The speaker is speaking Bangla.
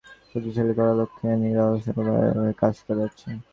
তাঁর সরকার গণতন্ত্রকে আরও শক্তিশালী করার লক্ষ্যে নিরলসভাবে কাজ করে যাচ্ছে।